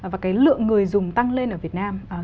và cái lượng người dùng tăng lên ở việt nam